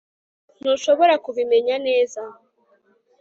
ntushobora kubimenya neza